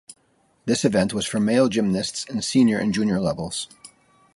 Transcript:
This event was for male gymnasts in senior and junior levels.